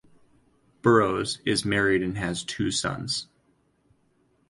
Burrows is married and has two sons.